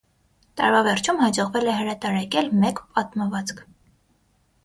Տարվա վերջում հաջողվել է հրատարակել մեկ պատմվածք։